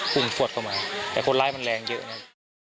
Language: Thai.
ปุ่มสวดเข้ามาแต่คนร้ายมันแรงเยอะนะ